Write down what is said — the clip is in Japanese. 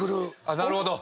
なるほど。